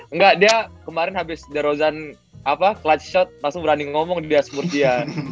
enggak dia kemarin habis the rozan clutch shot langsung berani ngomong di esports dia